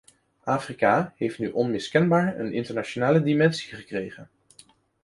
Afrika heeft nu onmiskenbaar een internationale dimensie gekregen.